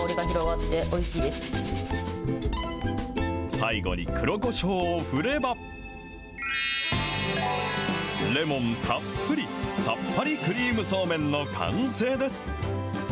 最後に黒こしょうを振れば、レモンたっぷり、さっぱりクリームそうめんの完成です。